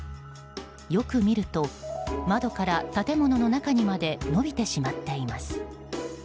よく見ると、窓から建物の中にまで伸びてしまっています。